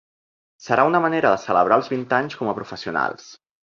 Serà una manera de celebrar els vint anys com a professionals.